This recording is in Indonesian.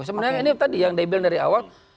sebenarnya ini tadi yang daybel dari awal